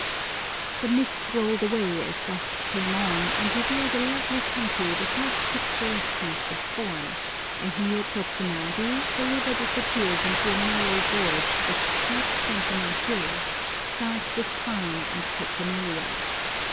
The mists rolled away as dusk came on, and revealed a lovely country with much picturesqueness of form, and near Kotsunagi the river disappears into a narrow gorge with steep, sentinel hills, dark with pine and cryptomeria.